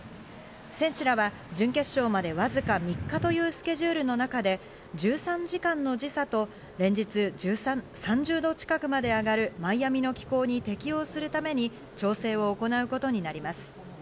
選手らは準決勝まで、わずか３日というスケジュールの中で１３時間の時差と連日３０度近くまで上がるマイアミの気候に適応するために調整を行うことになります。